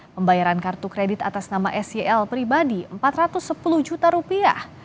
pembayaran kartu kredit atas nama sel pribadi empat ratus sepuluh juta rupiah